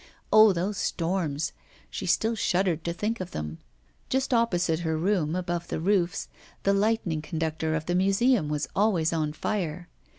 Oh! those storms; she still shuddered to think of them. Just opposite her room, above the roofs, the lightning conductor of the museum was always on fire.